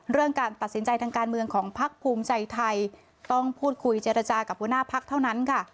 การตัดสินใจทางการเมืองของพักภูมิใจไทยต้องพูดคุยเจรจากับหัวหน้าพักเท่านั้นค่ะ